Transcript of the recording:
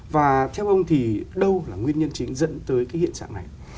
và theo ông thì đâu là nguyên nhân chính dẫn tới cái hiện trạng này